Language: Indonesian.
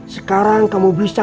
sekarang kamu bisa